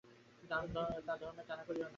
তার ধর্মের দান এক কানাকড়িও নয়।